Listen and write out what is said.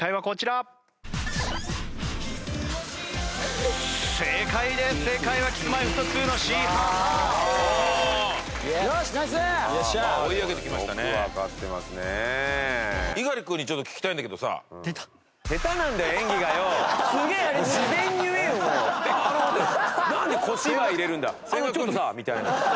「あのちょっとさ」みたいな。